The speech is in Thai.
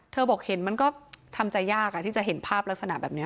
บอกเห็นมันก็ทำใจยากที่จะเห็นภาพลักษณะแบบนี้